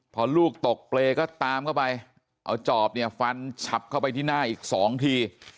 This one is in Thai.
พอลูกตกเปรย์ก็ตามเข้าไปเอาจอบเนี่ยฟันฉับเข้าไปที่หน้าอีก๒ที